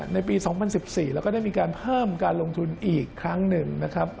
ในปี๒๐๑๔เราก็ได้มีการเพิ่มการลงทุนอีกครั้งหนึ่ง